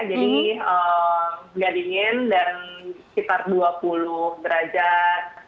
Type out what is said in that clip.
jadi nggak dingin dan sekitar dua puluh derajat